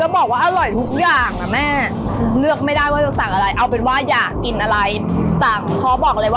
อิ่มอยู่คนเดียวแล้วก็นั่งน้องก็อิ่มแล้ว